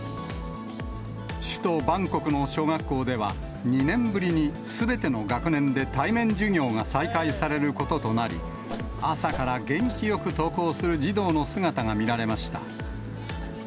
首都バンコクの小学校では、２年ぶりにすべての学年で対面授業が再開されることとなり、朝から元気よく登校する児童の姿が見られました。